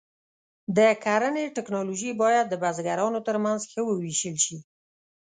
د کرنې ټکنالوژي باید د بزګرانو تر منځ ښه وویشل شي.